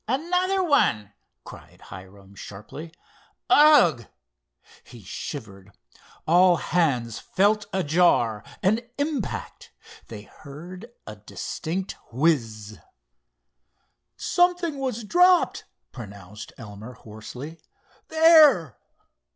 "Another one," cried Hiram sharply—"ugh!" He shivered. All hands felt a jar, an impact. They heard a distinct whiz. "Something was dropped!" pronounced Elmer, hoarsely. "There!"